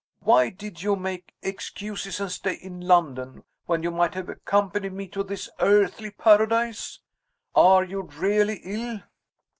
why did you make excuses and stay in London, when you might have accompanied me to this earthly Paradise? are you really ill?